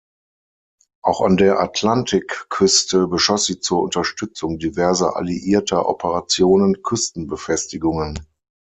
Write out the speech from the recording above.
Auch an der Atlantikküste beschoss sie zur Unterstützung diverser alliierter Operationen Küstenbefestigungen.